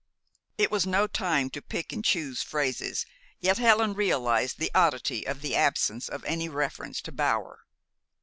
It was no time to pick and choose phrases, yet Helen realized the oddity of the absence of any reference to Bower.